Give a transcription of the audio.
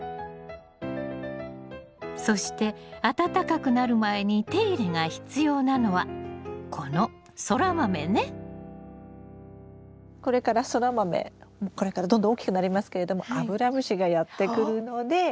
そして暖かくなる前に手入れが必要なのはこのこれからソラマメこれからどんどん大きくなりますけれどもアブラムシがやって来るので。